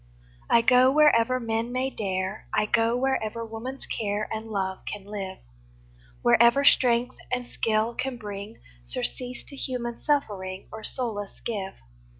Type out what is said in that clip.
I go wherever men may dare, I go wherever woman's care And love can live, Wherever strength and skill can bring Surcease to human suffering, Or solace give.